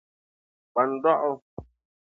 kpan'dɔɣu.